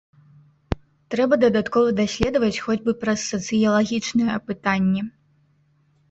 Трэба дадаткова даследаваць хоць бы праз сацыялагічныя апытанні.